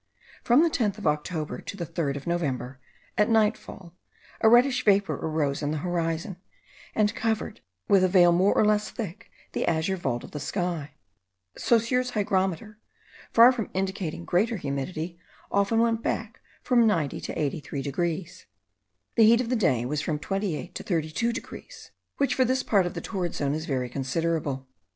From the 10th of October to the 3rd of November, at nightfall, a reddish vapour arose in the horizon, and covered, in a few minutes, with a veil more or less thick, the azure vault of the sky. Saussure's hygrometer, far from indicating greater humidity, often went back from 90 to 83 degrees. The heat of the day was from 28 to 32 degrees, which for this part of the torrid zone is very considerable.